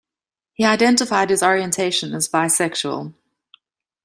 He identified his orientation as bisexual.